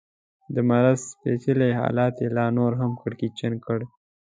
د مرض پېچلی حالت یې لا نور هم کړکېچن کړ.